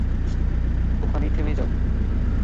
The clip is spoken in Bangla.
ওখানেই থেমে যাও।